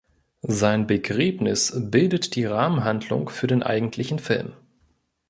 Sein Begräbnis bildet die Rahmenhandlung für den eigentlichen Film.